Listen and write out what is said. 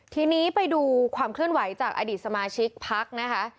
ทีนี้ไปดูความเคลื่อนไหวจากอดีตสมาชิกพักนะคะ